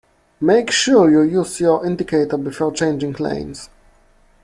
Make sure you use your indicator before changing lanes